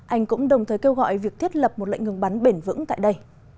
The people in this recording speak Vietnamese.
anh cũng đồng thời kêu gọi việc thiết lập một lệnh ngừng bắn bền vững tại đây